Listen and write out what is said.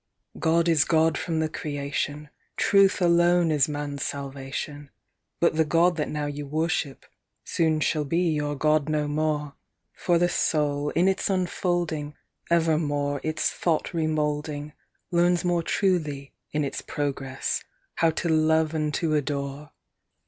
" God is God from the creation ; Truth, alone, is man s salvation : But the God that now you worship soon shall be your God no more ; For the soul, in its unfolding, Evermore its thought remoulding, Learns more truly, in its progress, how to love and to adore